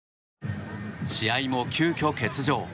試合も急きょ、欠場。